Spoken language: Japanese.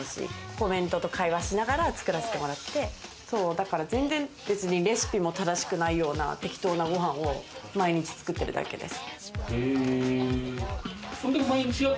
コメントと会話しながら作らせてもらって、だから全然レシピも正しくないような、適当なご飯を毎日作ってるだけです。